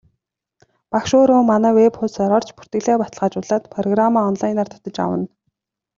Багш өөрөө манай веб хуудсаар орж бүртгэлээ баталгаажуулаад программаа онлайнаар татаж авна.